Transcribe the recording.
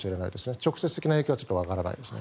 直接的な影響はちょっと分からないですね。